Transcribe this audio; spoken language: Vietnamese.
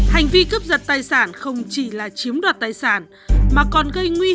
hành vi cướp giật tài sản không chỉ là chiếm đoạt tài sản